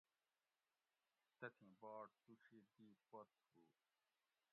تتھیں باٹ توشی دی پت ہُو